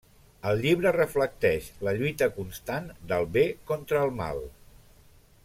El llibre reflecteix la lluita constant del bé contra el mal.